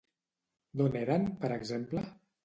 D'on eren, per exemple?